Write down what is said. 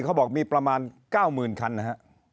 เขาบอกมีประมาณ๙๐๐คันนะฮะ